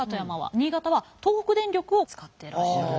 新潟は東北電力を使ってらっしゃる。